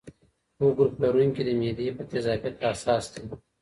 O ګروپ لرونکي د معدې په تیزابیت حساس دي.